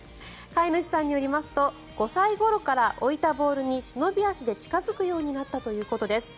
飼い主さんによりますと５歳ごろから置いたボールに忍び足で近付くようになったということです。